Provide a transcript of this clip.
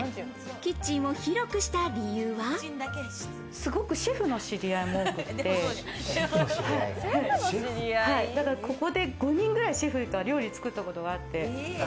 キッチンを広すごくシェフの知り合いも多くて、だから、ここで５人くらいシェフが料理を作ったことがあって。